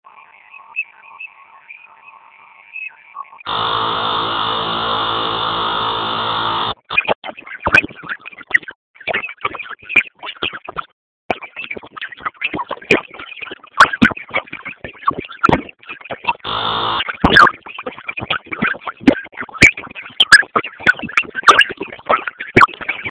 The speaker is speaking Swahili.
Bulongo bwa kalemie abutochanaki nzaka